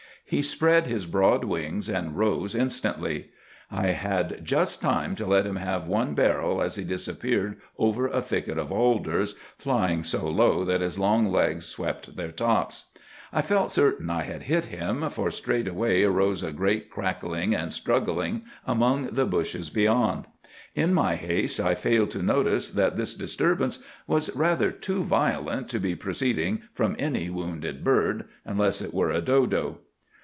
He spread his broad wings and rose instantly. I had just time to let him have one barrel as he disappeared over a thicket of alders, flying so low that his long legs swept their tops. I felt certain I had hit him, for straightway arose a great crackling and struggling among the bushes beyond. In my haste I failed to notice that this disturbance was rather too violent to be proceeding from any wounded bird, unless it were a dodo.